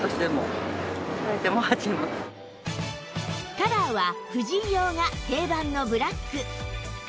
カラーは婦人用が定番のブラック